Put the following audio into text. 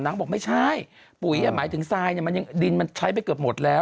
บอกไม่ใช่ปุ๋ยหมายถึงทรายดินมันใช้ไปเกือบหมดแล้ว